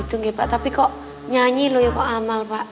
tapi kok nyanyi loh ya kok amal pak